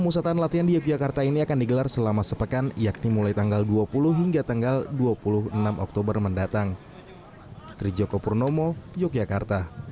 pemain yang dipanggil oleh alfred riedel ricky fajrin saputra dan syahroni mengaku tidak ada persiapan khusus untuk menghadapi myanmar